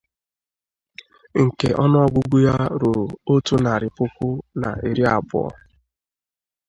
nke ọnụọgụgụ ya ruru otu narị puku na iri abụọ